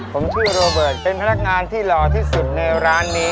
ผมชื่อโรเบิร์ตเป็นพนักงานที่หล่อที่สุดในร้านนี้